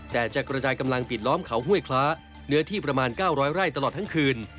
แต่จะกระจายกำลังปิดล้อมเขาห้วยคล้าเนื้อที่ประมาณ๙๐๐ไร่ตลอดทั้งคืน